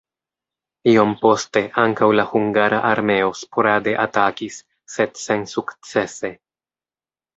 Iom poste ankaŭ la hungara armeo sporade atakis, sed sensukcese.